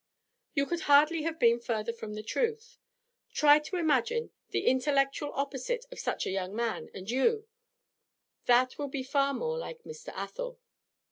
'You could hardly have been further from the truth. Try to imagine the intellectual opposite of such a young man, and you That will be far more like Mr. Athel.'